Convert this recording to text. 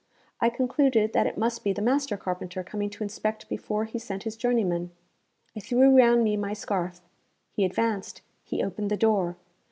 I concluded that it must be the master carpenter coming to inspect before he sent his journeymen. I threw round me my scarf. He advanced; he opened the door.